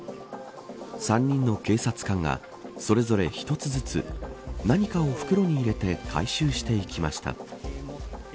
３人の警察官がそれぞれ１つずつ何かを袋に入れて回収していきました。